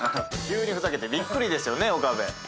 急にふざけてびっくりですよねえ岡部？